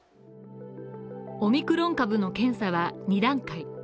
オミクロン株の検査は２段階。